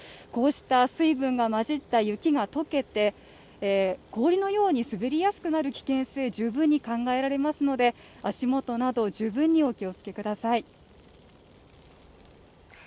こうした水分が混じった雪がとけて、氷のように滑りやすくなる危険性十分に考えられますので足元など、十分にお気をつけください。